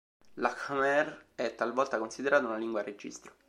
La khmer è talvolta considerata una lingua a registro.